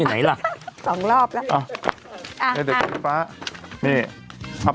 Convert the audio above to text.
จะยันไหนละสองรอบละห้านี่เด็กอิโยฟ้าเนี่ยมัน